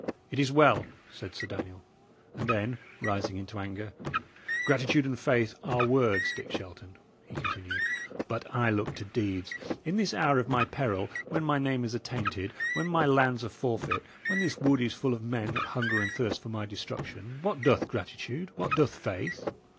"It is well," said Sir Daniel; and then, rising into anger: "Gratitude and faith are words, Dick Shelton," he continued; "but I look to deeds. In this hour of my peril, when my name is attainted, when my lands are forfeit, when this wood is full of men that hunger and thirst for my destruction, what doth gratitude? what doth faith?